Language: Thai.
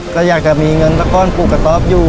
ถ้าอยากจะมีเงินตกก่อนพวกก่อนตกอยู่